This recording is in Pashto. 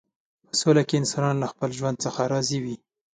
په سوله کې انسانان له خپل ژوند څخه راضي وي.